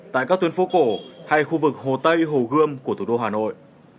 tại các tuyến phố cổ hay khu vực hồ tây hồ gươm của thủ đô hà nội